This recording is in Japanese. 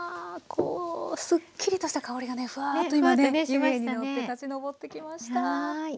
こうすっきりとした香りがねふわっと今ね湯気に乗って立ち上ってきました。